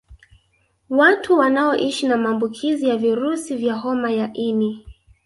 Watu wanaoishi na maambukizi ya virusi vya homa ya ini